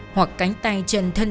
hoặc cánh tay trần thân